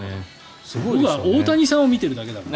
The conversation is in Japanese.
大谷さんを見てるだけだから。